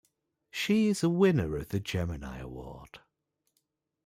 She is a winner of the Gemini Award.